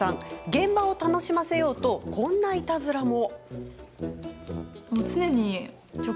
現場を楽しませようとこんないたずらも。